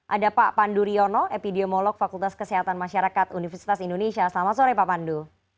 ada pak pandu riono epidemiolog fakultas kesehatan masyarakat universitas indonesia selamat sore pak pandu